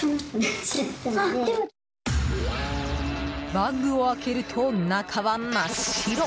バッグを開けると中は真っ白。